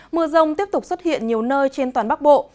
mưa rông tiếp tục xuất hiện nhiều nơi trên toàn bắc bộ